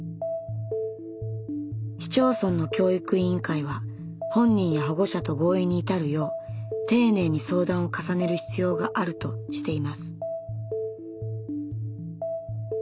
市町村の教育委員会は本人や保護者と合意に至るよう丁寧に相談を重ねる必要があるとしています。